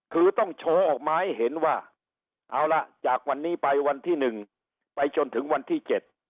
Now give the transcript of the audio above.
คือต้องโชว์ออกมาให้เห็นว่าเอาล่ะจากวันนี้ไปวันที่หนึ่งไปจนถึงวันที่เจ็ด